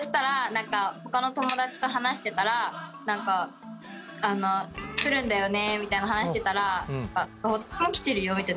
何かほかの友だちと話してたら何か「来るんだよね」みたいな話してたら「私も来てるよ」みたいな。